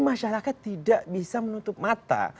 masyarakat tidak bisa menutup mata